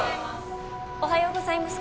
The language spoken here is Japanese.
おはようございます